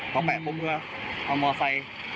ก็แปะผมเพื่อเอามอเซย์